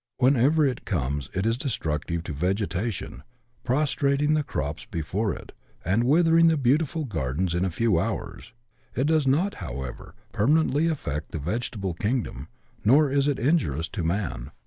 Wherever it comes, it is destructive to vegetation, prostrating the crops before it, and withering the beautiful gardens in a few hours: it does not, however, permanently affect the vegetable kingdom, nor is it injurious to man.